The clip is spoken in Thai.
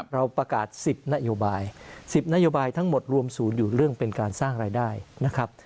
เราประกาศ๑๐นโยบาย๑๐นโยบายทั้งหมดรวมศูนย์อยู่เรื่องเป็นการสร้างรายได้นะครับ